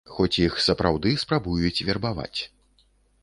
Хоць іх сапраўды спрабуюць вербаваць.